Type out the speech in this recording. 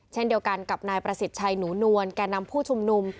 เช่นเดียวกันกับนายประสิทธิ์ชัยหนูนวลแก่นำผู้ชุมนุม